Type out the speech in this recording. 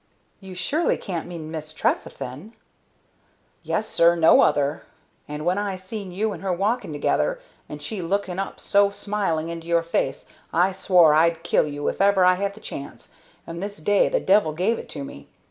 "You surely can't mean Miss Trefethen?" "Yes, sir, no other; and when I seen you and her walking together, and she looking up so smiling into your face, I swore I'd kill you if ever I had the chance, and this day the devil gave it to me.